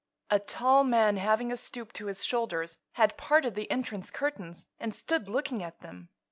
A tall man, having a stoop to his shoulders, had parted the entrance curtains and stood looking at them.